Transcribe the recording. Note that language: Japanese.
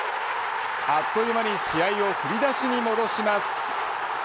あっという間に試合を振り出しに戻します。